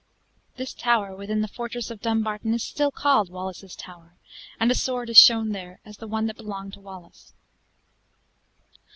This tower, within the fortress of Dumbarton, is still called Wallace's tower; and a sword is shown there as the one that belonged to Wallace.